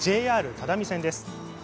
ＪＲ只見線です。